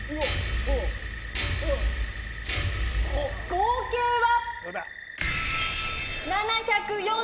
合計は？